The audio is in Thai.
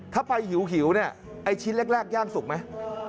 ถ้าไปหิวเนี่ยไอ้ชิ้นแรกย่างสุกไหม